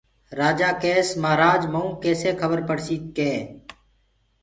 رآجآ ڪيس مهآرآج مئونٚ ڪيسي کبر پڙسيٚ ڪي